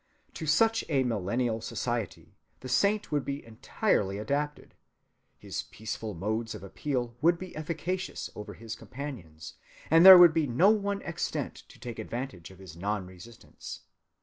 To such a millennial society the saint would be entirely adapted. His peaceful modes of appeal would be efficacious over his companions, and there would be no one extant to take advantage of his non‐resistance.